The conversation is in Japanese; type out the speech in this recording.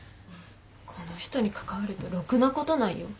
この人に関わるとろくなことないよ。